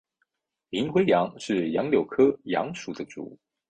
银灰杨是杨柳科杨属的植物。